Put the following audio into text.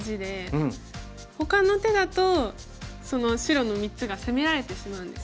ほかの手だと白の３つが攻められてしまうんです。